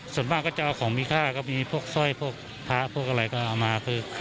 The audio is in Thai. ส่วนมากจะเอาของวิคกี้มีสร้อยพระพระพวกอะไรก็เอามา